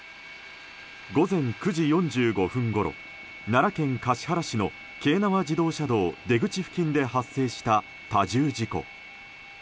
午前９時４５分ごろ奈良県橿原市の京奈和自動車道出口付近で発生した多重事故。